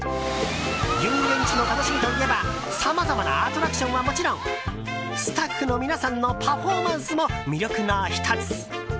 遊園地の楽しみといえばさまざまなアトラクションはもちろんスタッフの皆さんのパフォーマンスも魅力の１つ。